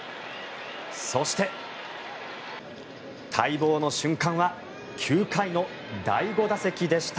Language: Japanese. そして、待望の瞬間は９回の第５打席でした。